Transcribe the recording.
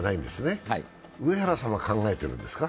上原さんは考えてるんですか？